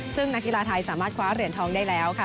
ซึ่งนักกีฬาไทยสามารถคว้าเหรียญทองได้แล้วค่ะ